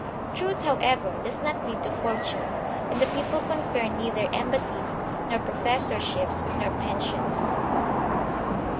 Truth, however, does not lead to fortune, and the peo ple confer neither embassies, nor professorships, nor pensions.